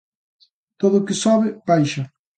Todo o que sobe baixa.